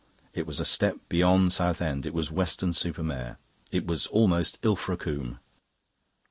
It was a step beyond Southend; it was Weston super Mare; it was almost Ilfracombe."